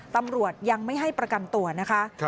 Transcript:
ตำรวจยังไม่ให้ประกันตัวนะคะ